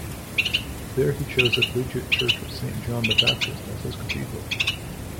There he chose The Collegiate Church of Saint John the Baptist as his cathedral.